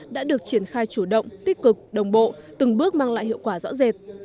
đã được triển khai chủ động tích cực đồng bộ từng bước mang lại hiệu quả rõ rệt